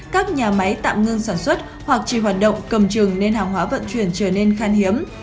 các nhà máy tạm ngưng sản xuất hoặc chỉ hoạt động cầm trừng nên hàng hóa vận chuyển trở nên khan hiếm